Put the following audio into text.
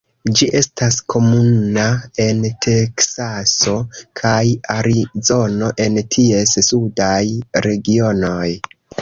Ĝi estas komuna en Teksaso kaj Arizono en ties sudaj regionoj.